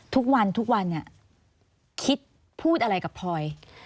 ทุกวันคิดพูดอะไรกับพร้อย